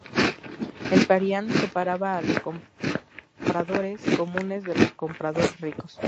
El parián separaba a los compradores comunes de los compradores ricos.